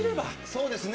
そうですね。